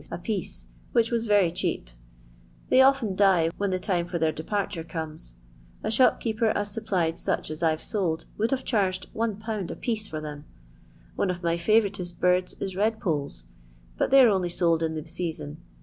a piece, which was rery They often die when the time for their tare comes. A shopkeeper as supplied such « sold would haye charged 1/. a piece for One of my fiivouritost birds is redpoles, lay 're only sold in the season.